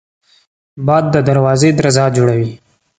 باد د دروازې درزا جوړوي